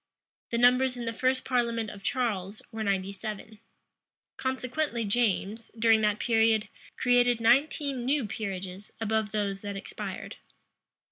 The numbers in the first parliament of Charles were ninety seven. Consequently James, during that period, created nineteen new peerages above those that expired.